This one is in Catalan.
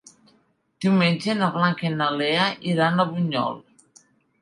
Diumenge na Blanca i na Lea iran a Bunyol.